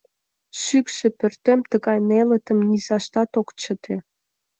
Шӱкшӧ пӧртем тыгай нелытым низаштат ок чыте.